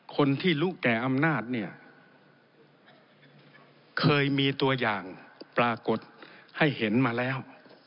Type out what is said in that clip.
คนที่รู้แก่อำนาจเนี่ยเคยมีตัวอย่างปรากฏให้เห็นมาแล้ว